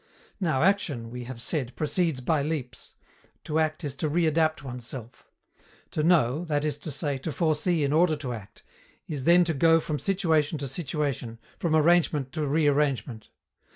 Now action, we have said, proceeds by leaps. To act is to re adapt oneself. To know, that is to say, to foresee in order to act, is then to go from situation to situation, from arrangement to rearrangement.